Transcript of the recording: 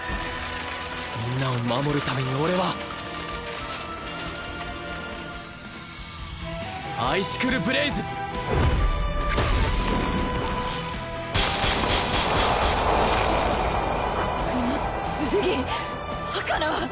みんなを守るために俺はアイシクルブレイズ氷の剣バカな！